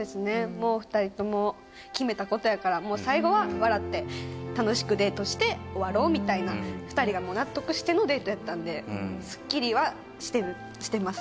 もう２人とも決めたことやからもう最後は笑って楽しくデートして終わろうみたいな２人がもう納得してのデートやったんですっきりはしてるしてます